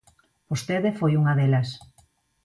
Vostede foi unha delas.